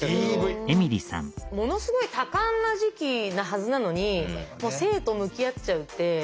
ものすごい多感な時期なはずなのにもう生と向き合っちゃうって。